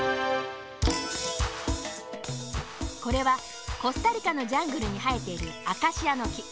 これはコスタリカのジャングルにはえているアカシアのき。